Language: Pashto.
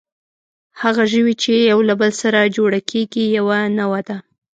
هغه ژوي، چې یو له بل سره جوړه کېږي، یوه نوعه ده.